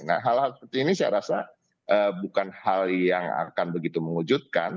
nah hal hal seperti ini saya rasa bukan hal yang akan begitu mengujudkan